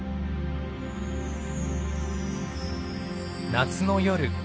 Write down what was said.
夏の夜。